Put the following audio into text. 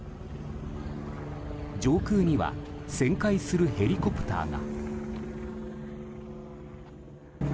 上空には旋回するヘリコプターが。